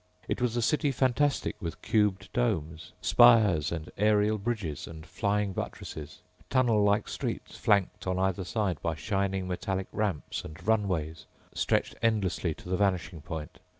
It was a city fantastic with cubed domes, spires, and aerial bridges and flying buttresses. Tunnel like streets, flanked on either side by shining metallic ramps and runways, stretched endlessly to the vanishing point.